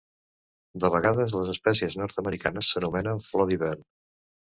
De vegades, les espècies nord-americanes s'anomenen flor d'hivern.